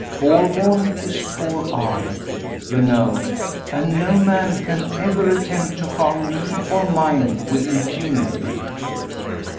'Forewarned is forearmed,' you know, and no man can ever attempt to harm me or mine with impunity!"